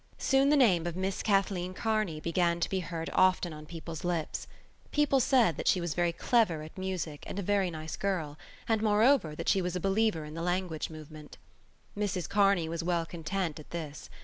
Soon the name of Miss Kathleen Kearney began to be heard often on people's lips. People said that she was very clever at music and a very nice girl and, moreover, that she was a believer in the language movement. Mrs Kearney was well content at this.